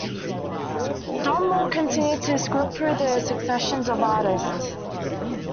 Don Moore continued to script through the succession of artists.